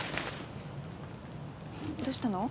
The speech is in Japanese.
どうしたの？